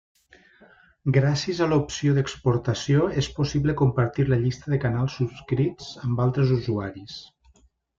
Gràcies a l'opció d'exportació, és possible compartir la llista de canals subscrits amb altres usuaris.